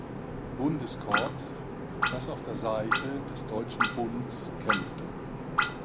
Bundeskorps, das auf der Seite des Deutschen Bunds kämpfte.